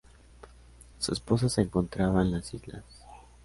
Su esposa se encontraba en las islas.